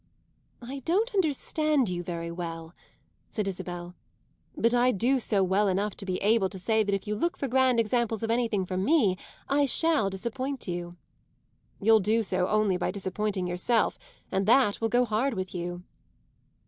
"I don't understand you very well," said Isabel, "but I do so well enough to be able to say that if you look for grand examples of anything from me I shall disappoint you." "You'll do so only by disappointing yourself and that will go hard with you!"